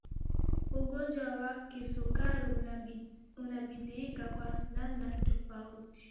ugonjwa wa kisukari unatibika kwa namna tofauti